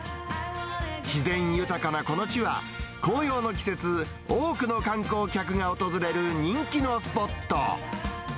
自然豊かなこの地は、紅葉の季節、多くの観光客が訪れる人気のスポット。